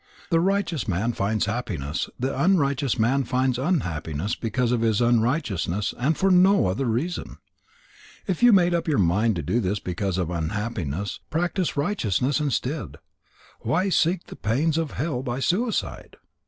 The righteous man finds happiness, the unrighteous man finds unhappiness because of his unrighteousness, and for no other reason. If you made up your mind to this because of unhappiness, practice righteousness instead. Why seek the pains of hell by suicide?'